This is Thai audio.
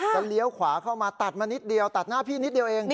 เลี้ยวขวาเข้ามาตัดมานิดเดียวตัดหน้าพี่นิดเดียวเอง